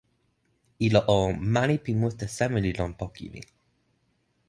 ilo o, mani pi mute seme li lon poki mi?